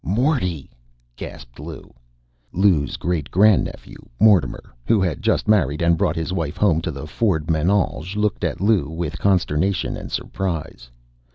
"Morty!" gasped Lou. Lou's great grandnephew, Mortimer, who had just married and brought his wife home to the Ford menage, looked at Lou with consternation and surprise.